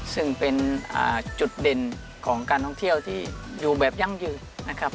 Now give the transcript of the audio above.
ซึ่งเป็นจุดเด่นของการท่องเที่ยวที่อยู่แบบยั่งยืนนะครับ